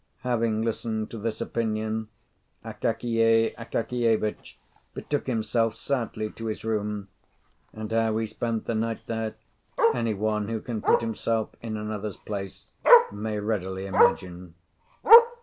Having listened to this opinion, Akakiy Akakievitch betook himself sadly to his room; and how he spent the night there any one who can put himself in another's place may readily imagine.